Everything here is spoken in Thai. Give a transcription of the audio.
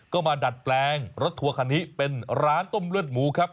ก็มาดัดแปลงรถทัวร์คันนี้เป็นร้านต้มเลือดหมูครับ